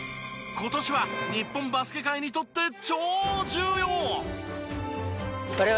今年は日本バスケ界にとって超重要！